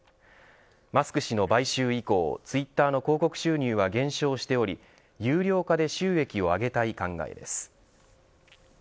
マスク氏の買収以降ツイッターの広告収入は減少しており有料化で収益を上げたい考えです。